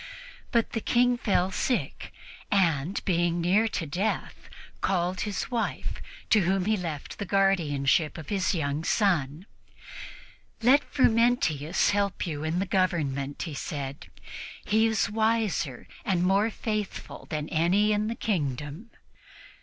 But the King fell sick and, being near to death, called his wife, to whom he had left the guardianship of his young son. "Let Frumentius help you in the government," he said; "he is wiser and more faithful than any in the kingdom."